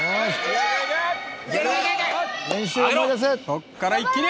ここから一気に！